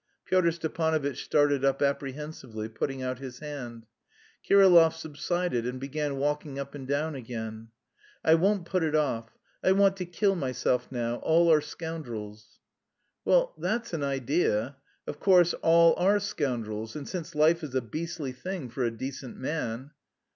Pyotr Stepanovitch started up apprehensively, putting out his hand. Kirillov subsided and began walking up and down again. "I won't put it off; I want to kill myself now: all are scoundrels." "Well, that's an idea; of course all are scoundrels; and since life is a beastly thing for a decent man..."